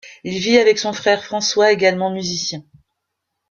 Il vit avec son frère François, également musicien.